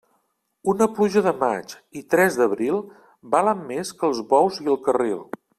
Una pluja de maig i tres d'abril valen més que els bous i el carril.